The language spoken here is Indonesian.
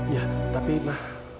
ya tapi mak